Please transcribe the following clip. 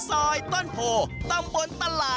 โรงโต้งคืออะไร